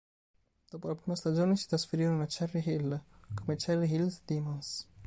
Dopo la prima stagione si trasferirono a Cherry Hill, come Cherry Hill Demons.